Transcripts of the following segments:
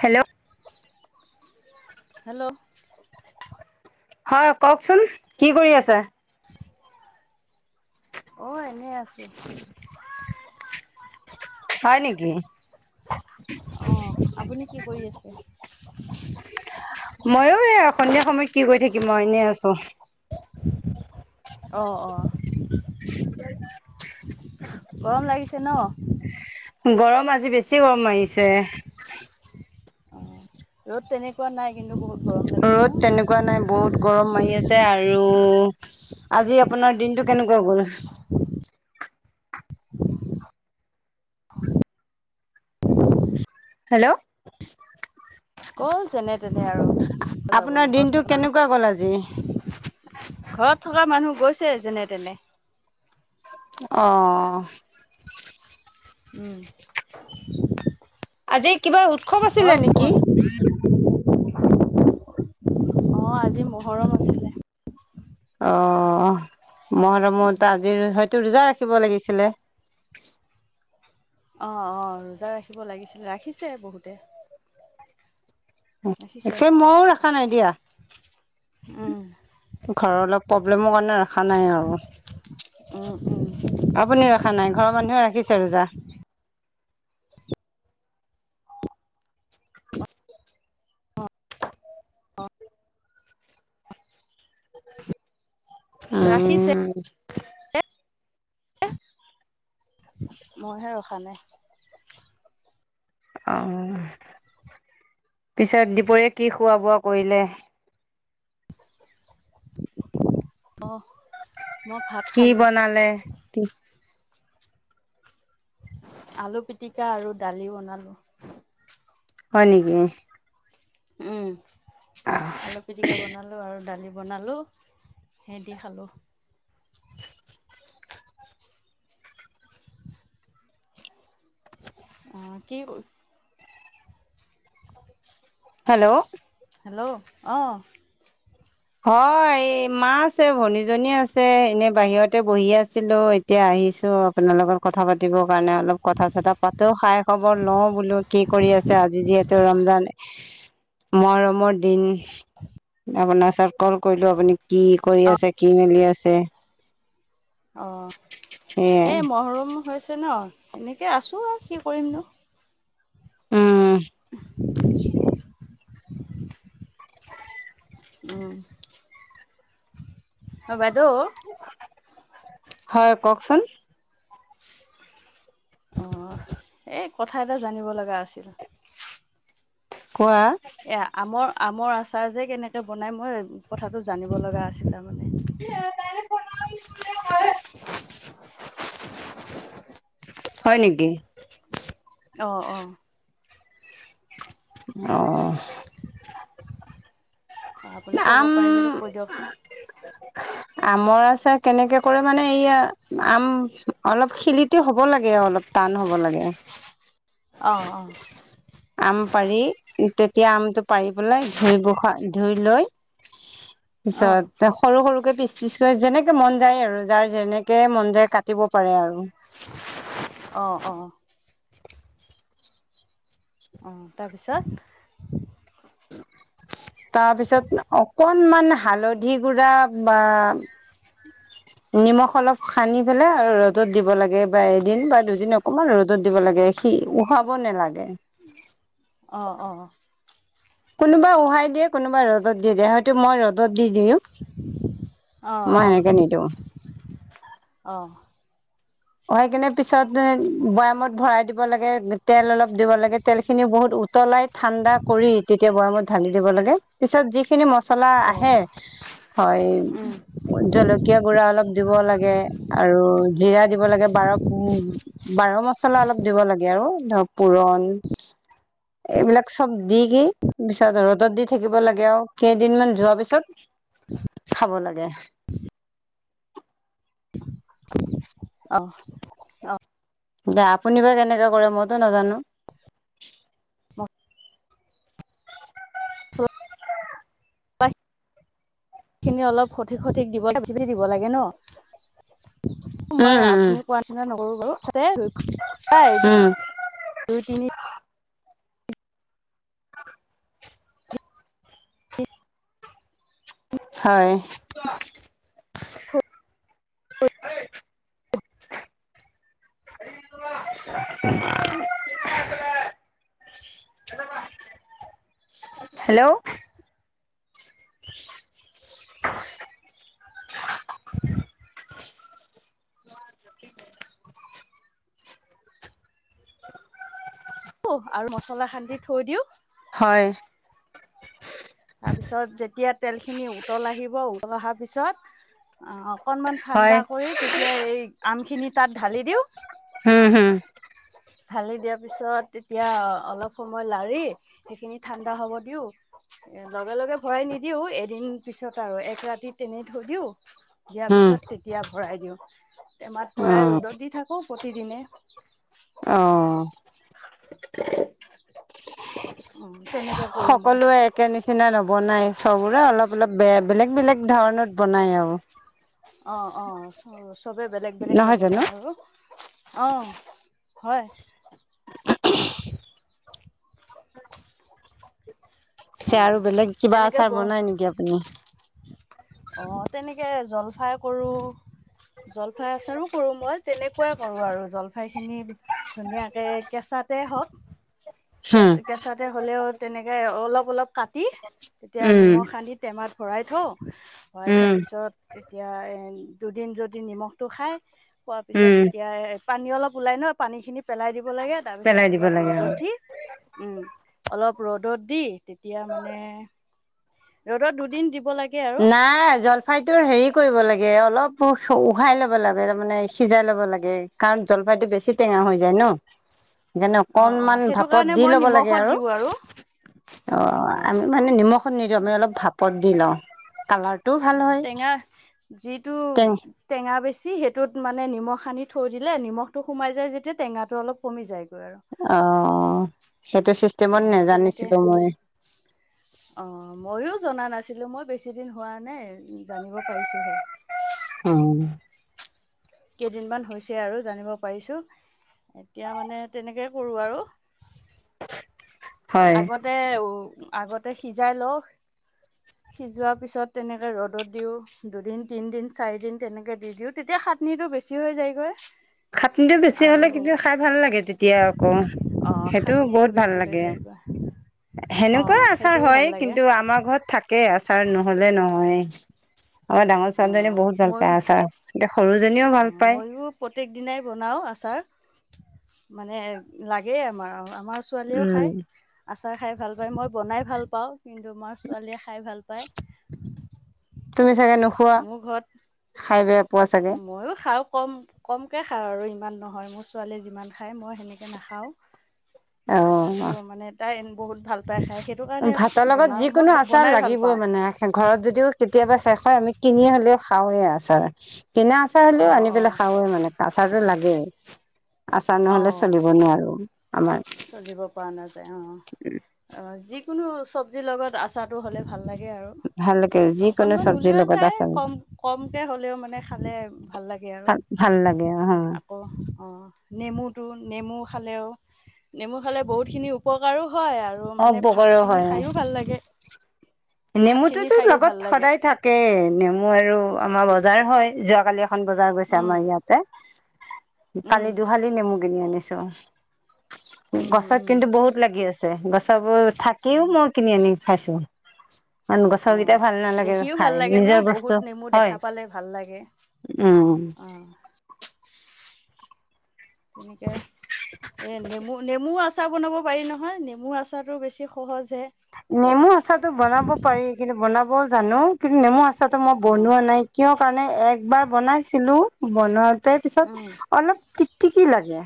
Hello hello হয় কওকচোন কি কৰি আছা? অ এনেই আছো। হয় নেকি? অ' আপুনি কি কৰি আছে? ময়ো এই সন্ধিয়া সময়ত কি কৰি থাকিম মই এনেই আছো। অ-অ, গৰম লাগিছে ন। গৰম আজি বেছি গৰম মাৰিছে। অ', ৰ'দ তেনেকুৱা নাই কিন্তু বহুত গ অ'। ত' তেনেকুৱা নাই বহুত গৰম মাৰি আছে আৰু আজি আপোনাৰ দিনটো কেনেকুৱা গ'ল? [inaudible] হেল্ল'। ক'ল যেনে তেনে আৰু। যাব আপোনাৰ নো ঘৰত দিনটো থকা মানুহ কেনেকুৱা গ'ল আজি? ঘৰত থকা মানুহ, গৈছে যেনে তেনে। অ'। উম। আজি কিবা উৎসৱ হ'ল আছিলে নেকি? হ'ল অ', আজি মহৰম আছিলে। অ', মহৰমত আজিৰ হয়তো ৰোজা ৰাখিব লাগিছিলে। অ', অ', ৰোজা ৰাখিব লাগিছিলে, ৰাখিছে বহুতে। ৰাখিছে। একচুৱেলি ময়ো ৰাখা নাই দিয়া। উম। ঘৰৰ অলপ প্ৰব্লেমৰ কাৰণে ৰা খা নাই আৰু উম উম আপুনি ৰখা নাই ঘৰৰ মানুহে ৰাখি ছে ৰোজা। ৰাখিছে। উম। মইহে ৰখা নাই। আহ পিছে দিপৰীয়া কি খোৱা বোৱা কৰিলে। অহ' কি বনালে? কি আলু পিটিকা আৰু দালি বনালোঁ। হয় নেকি? উম, আলু পিটিকা বনালোঁ আৰু দালি বনালো সেয়ে দি খালোঁ। আহ কি হেল্ল' হেল্ল' অ' হয়, এই মা আছে ভনীজনী আছে এনে বাহিৰতে বহি আছিলোঁ। এতিয়া আহ আহিছোঁ আপোনাৰ লগত কথা পাতিব। কাৰণে অলপ কথা চথা পাতেও খাই খবৰ লওঁ বোলোঁ কি কৰি আছে। আজি যিহেতু ৰমজান মৰমৰ দিন আপোনাৰ ওচৰত কল কৰিলোঁ আপুনি কি কৰি আছে, কি মেলি আছে। অ' সেয়াই সেই মহৰুম হৈছে ন। সেনেকে আছোঁ আৰু কি কৰিমনো। উম। উম, হয় বাইদেউ। হয়, কওঁকচোন। অ' এই কথা এটা জানিব লগা আছিল। কোৱা এয়া আমৰ আমৰ আচাৰ যে কেনেকে বনাই মই কথাটো জানিব লগা আছিল তাৰমানে সোণাৰি বোলে। [unintelligible] হয় নেকি? অ' অ' আহ অ' আপুনি ক'ব আম পাৰে যদি কৈ দিয়কচোন। আমৰ আচাৰ কেনেকে কৰে মানে এইয়া আম অলপ খিলিত হ'ব লাগে অলপ। টান হ'ব লাগে। অহ' অ' আম পাৰি তেতিয়া আমটো পাৰি পেলাই ধুই বখা ধুই লৈ অঁ পিছত সৰু সৰুকে পিচ পিচ যেনেকে মন যায় আৰু যাৰ যেনেকে মন যায় কাটিব পাৰে আৰু অ' অ' অ' তাৰপিছত [unintelligible] তাৰপিছত অকনমান হালধি গুড়া বা [inaudible] নিমখ অলপ সানি পেলাই আৰু ৰ'দত দিব লাগে বা এদিন বা দুদিন অকণমান ৰ'দত দিব লাগে উহাব নেলাগে। অ', অ', কোনোবা উহাই দিয়ে কোনোবা ৰ'দত দি দিয়ে হয়তো মই ৰ'দত দি দিওঁ অঁ মই এনেকে নিদিওঁ। অঁ হৈ কিনে পিছত বৈয়ামত ভৰাই দিব লাগে তেল অলপ দিব লাগে তেল খিনিও বহুত উতলাই ঠাণ্ডা কৰি তেতিয়া বৈয়ামত ঢালি দিব লাগে পিছত যি খিনি মছলা আহে অঁ হয় অঁ জলকীয়া গুড়া অলপ দিব লাগে আৰু জিৰা দিব লাগে বাৰ বাৰ মছলা অলপ দিব লাগে আৰু পুৰণ এইবিলাক চব দি কি পিছত ৰদত দি থাকিব লাগে আৰু কেইদিনমান যোৱাৰ পিছত খাব লাগে। অহ, অ, দে আপোনি বা কেনেকে কৰে মইতো নাজানো। পাই খিনি অলপ সঠিক সঠিক দিব [unintelligible] দিব লাগে ন। উম মই উম আপুনি কোৱা নিচীনা নকৰু বাৰু উম [unintelligible] উম দুই তিনি হয়। থলো [inaudible] [inaudible] হে'ল্ল [inaudible] [inaudible] [inaudible] আৰু মছলা খান্দি থৈ দিওঁ। হয়। তাৰপিছত যেতিয়া তেলখিনি উতলাহিব উতল অহাৰ পিছত আ, অকনমান হয় ঠাণ্ডা কৰি তেতিয়া এই আমখিনি তাত ঢালি দিওঁ। হুম হুম। ঢালি দিয়াৰ পিছত তেতিয়া অলপ সময় লাৰি সেইখিনি ঠাণ্ডা হব দিওঁ। এ লগে লগে ভৰাই নিদিও এদিন পিছত আৰু এক ৰাতি তেনেই থৈ দিও। দিয়াৰ হম পিছত তেতিয়া ভৰাই দিওঁ টেমাত অ ভৰাই ৰ'দত দি থাকো প্ৰতিদিনে। অ', উম, তেনেকে কৰোঁ মই। [unintelligible] নিচিনা নবনাই চবৰে অলপ অলপ বেয়া বেলেগ বেলেগ ধৰণত বনায় আৰু। অ', অ', চবে বেলেগ বেলেগকে নহয় জানো বনাই আৰু। অ', হয়। অ পিছে আৰু বেলেগ কিবা তেনেকে আচাৰ ব বনাই নেকি আপুনি। অ', তেনেকে জলফাই কৰোঁ জলফাই আচাৰো কৰোঁ মই তেনেকুৱাই কৰোঁ আৰু জলফাই খিনি ধুনীয়াকে কেঁচা চাতে হওঁক হম কে কেঁচাতে হ'লেও তেনেকে অলপ অলপ কাটি তেতিয়া উম নিমখ আনি টেমাত ভৰাই থওঁ ভৰাই উম থোৱাৰ পিছত তেতিয়া এ দুদিন যদি নিমখটো খায় খোৱাৰ পিছত উম তেতিয়া এ পানী অলপ ওলাই ন পানী খিনি পেলাই দি দিব লাগে তাৰ পিছত পেলাই দিব অলপ লাগে ৰ'দত আৰু দি উম, অলপ ৰ'দত দি এতিয়া মানে ৰ'দত দুদিন দিব লাগে আৰু নাই জলফাইটোৰ হেৰি কৰিব লাগে অলপ উশ উহাই ল'ব লাগে তাৰ মানে সিজাই ল'ব লাগে। কাৰণ জলফাইটো বেছি টেঙা হৈ যায় ন। যেনে অঁ অঁ অকনমান সেইটো ভাপত কাৰণে দি মই ল'ব লাগে নিমখত আৰু দিওঁ অ' অঁ আমি মানে নিমখত নিদিওঁ। আমি অলপ ভাপত দি লওঁ কালাৰ অ' টেঙা যিটো টেং টেঙা বেছি সেইটোত মানে নিমখ খানি থৈ দিলে নিমখটো সোমাই যায় যেতিয়া টেঙাটো অলপ কমি যায়গৈ। আৰু অ' সেইটো চিষ্টেমত অ তেনেকে নজানিছিলোঁ মই। অ' মইয়ো জনা নাছিলোঁ। ছিলো মই বেছি দিন হোৱা নাই জানিব পাৰিছোহে। অ কেইদিনমান হৈছে আৰু জানিব পাৰিছোঁ। এতিয়া মানে তেনেকেই কৰোঁ আৰু। হয় আগতে উ আগতে সিজাই লও সিজোৱাৰ পিছত তেনেকে ৰ'দত দিওঁ দুদিন, তিন দিন, চাৰি দিন তেনেকে দি দিওঁ তেতিয়া পাটনিতটো বেছি হৈ যায়গৈ। খাটনিটো বেছি আৰু হলে, কিন্তু খাই ভাল লাগে তেতিয়া আকৌ। অ সেইটো খাটনিটো বহুত ভাল বেছি হৈ লাগে। যায়গৈ সেনেকুৱাই অঁ আচাৰ সেইটোও ভাল হয়। লাগে কিন্তু আমাৰ ঘৰত থাকেই আচাৰ নহলে নহয়। আমাৰ ডাঙৰ ছোৱালীজনী অঁ বহুত ভাল ময়ো পায় আচাৰ। এতিয়া সৰু জনীও ভাল অঁ পায়। ময়ো প্ৰত্যেক দিনাই বনাওঁ আচাৰ মানে লাগেই আমাৰ অ আমাৰ ছোৱালীয়েও উম খায়, আচাৰ খাই ভাল পায়। মই বনাই ভাল পাওঁ। কিন্তু আমাৰ ছোৱালীয়ে খাই ভাল পায়। তুমি চাগে নোখোৱা। মোৰ ঘৰত খাই বেয়া পোৱা চাগে? ময়ো খাওঁ কম কমকে খাওঁ আৰু ইমান নহয়। মোৰ ছোৱালীয়ে যিমান খায় মই সেনেকে নাখাওঁ। অ সটো মানে তাই বহুত ভাল পায় খাই। ভাতৰ লগত যিকোনো আচাৰ ভাল লাগিবই পাওঁ মানে ঘৰত যদিও কেতিয়াবা শেষ হয়। আমি কিনি হলেও খাওঁৱে আছাৰ। কিনা আচাৰ হ'লেও অঁ আনি অঁ পেলাই খাওঁৱে মানে, আচাৰতটো লাগেই আচাৰ অঁ নহলে চলিব নোৱাৰো। আমাৰ চলিব পৰা নাযায় অ, অ যিকোনো চব্জিৰ লগত আচাৰটো হ'লে ভাল লাগে। লাগে আৰু ভাল লাগে যিকোনো অকনমান চব্জিৰ উলিওৱা লগত যায়, আচাৰ কম কমকে হ'লেও মানে খালে ভাল লাগে আৰু। ভাল ভাল লাগে অ আকৌ অ নেমু টো নেমু খালেও নেমু খালে বহুত খিনি উপকাৰো হয় আৰু মানে ভাত অপকাৰো খিনি হয় খাইও ভাল লাগে। ভাতখিনি নেমুটোতো খায়ো লগত ভাল লাগে সদায় থাকে। নেমু আৰু আমাৰ বজাৰ হয়। যোৱাকালি এখন বজাৰ গৈছে উম আমাৰ ইয়াতে উম পালি দুহালি নেমু কিনি আনিছো। উম গছত উম কিন্তু বহুত লাগি আছে। গছবোৰ থাকিও উম মই কিনি আনি খাইছো। গছৰ অ কেইটাই ভাল নালাগে দেখিও ভাল খাই। লাগে ন নিজৰ বস্তু বহুত নেমু হয় দেখা পালে ভাল লাগে উম অ তেনেকে এ নেমু নেমু আছে আচাৰ বনাব পাৰি নহয়। নেমু আচাৰ টো বেছি সহজ হে। নেমু আচাৰটো বনাব পাৰি। কিন্তু বনাবও জানো। কিন্তু নেমু আচাৰ তো মই অ বনোৱা নাই। কিয় কাৰণে একবাৰ বনাইছিলো বনোৱা তাৰ পিছত উম অলপ টিকটিকি লাগে।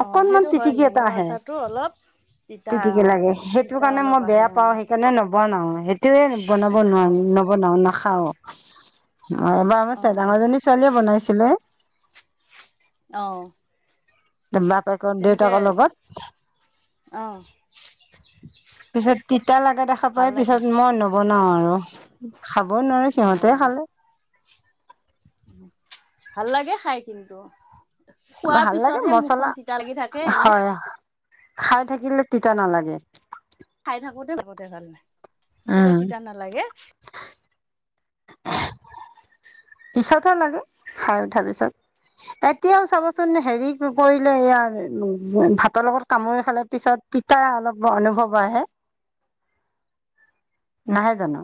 অ অকণমান সেইটো হয় টিতিকি এটা নেমু আহে। আচাৰটো অলপ তিতা তেতিকি অ লাগে। সেইটো তিতা কাৰণে অলপ মই আহে বেয়া পাও অ সেইকাৰণে নৱনাও। সেইটোয়ে বনাব নোৱাৰো নবনাও নাখাও। অ এবাৰ অ অ আমাৰ অ ডাঙৰ জনী ছোৱালীয়ে বনাইছিলে। আহ বাপেকৰ দেউতাকৰ লগত। অ পিছত তিতা লাগা দেখা পাই, ভাল লাগে পিছত মই নবনাও আৰু খাবও নোৱাৰো অ সিহঁতে খালে। ভাল লাগে খাই কিন্তু। খোৱাৰ ভাল লাগে পিছতহে মছলা মুখখন তিতা লাগি থাকে। এনে হয় খাই থাকিলে তিতা নালাগে। খাই থাকোতে উম তিতা নালাগে। পিছতো লাগে খাই উঠাৰ পিছত। এতিয়াও চাবচোন হেৰি কৰিলে ইয়াৰ ভাতৰ লগত কামুৰি খালে পিছত তিতাঁ অলপ অনুভৱ আহে। নাহে জানো।